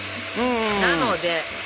なので。